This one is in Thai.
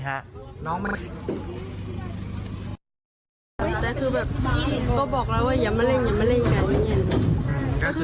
แต่คือแบบพี่ก็บอกแล้วว่าอย่ามาเล่นอย่ามาเล่นกัน